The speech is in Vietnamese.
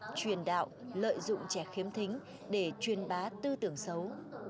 các nhóm truyền đạo lợi dụng trẻ khiếm thính để truyền bá tư tưởng xấu